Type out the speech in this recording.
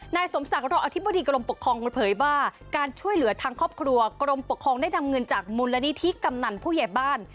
นายสมศักดิ์รองอธิบดีกรมปกครองเผยว่าการช่วยเหลือทางครอบครัวกรมปกครองได้นำเงินจากมูลนิธิกำนันผู้ใหญ่บ้าน